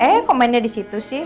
eh kok mainnya di situ sih